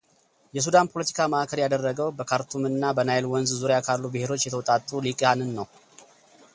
የሱዳን ፖለቲካ ማዕከል ያደረገው በካርቱም እና በናይል ወንዝ ዙሪያ ካሉ ብሄሮች የተውጣጡ ልሂቃንን ነው።